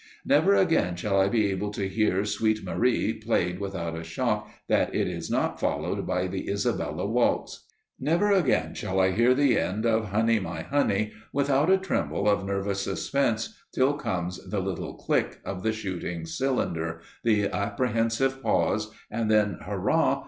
Never again shall I be able to hear "Sweet Marie" played without a shock that it is not followed by the "Isabella Waltz!" Never again shall I hear the end of "Honey, my Honey" without a tremble of nervous suspense till comes the little click! of the shooting cylinder, the apprehensive pause, and then hurrah!